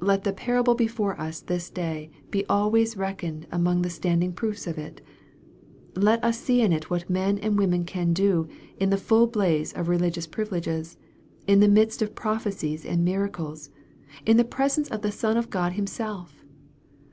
Let the parable before us this day be always reckoned among the standing proofs of it. Let us see in it what men and women can do, in the full blaze of religious privileges in the midst of prophecies and miracles in the presence of the Son of God Himself.